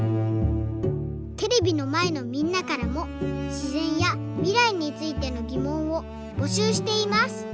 テレビのまえのみんなからもしぜんやみらいについてのぎもんをぼしゅうしています。